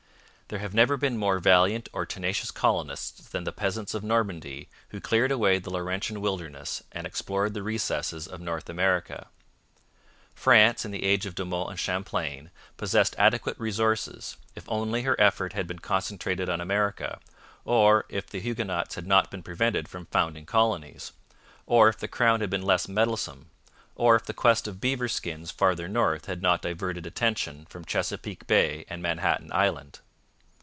There have never been more valiant or tenacious colonists than the peasants of Normandy who cleared away the Laurentian wilderness and explored the recesses of North America. France in the age of De Monts and Champlain possessed adequate resources, if only her effort had been concentrated on America, or if the Huguenots had not been prevented from founding colonies, or if the crown had been less meddlesome, or if the quest of beaver skins farther north had not diverted attention from Chesapeake Bay and Manhattan Island.